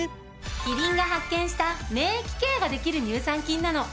キリンが発見した免疫ケアができる乳酸菌なの。